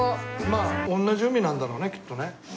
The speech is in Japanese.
まあ同じ海なんだろうねきっとね。